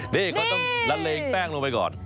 นี่เขาต้องละเลงแป้งลงไปก่อน